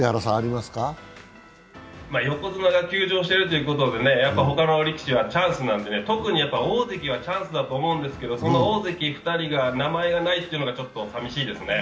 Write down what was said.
横綱が休場してるってことで、ほかの力士はチャンスなんでね、特に大関はチャンスだと思うんですけど、その大関２人が名前がないというのがちょっと寂しいですね。